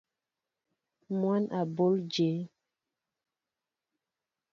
Mwăn a bǒl jě ?